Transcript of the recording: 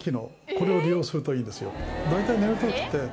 これを利用するといいですよ